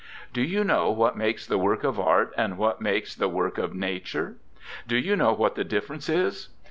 'Do you know what makes the work of art, and what makes the work of nature? Do you know what the difference is?